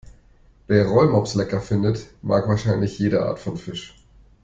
Wer Rollmops lecker findet, mag wahrscheinlich jede Art von Fisch.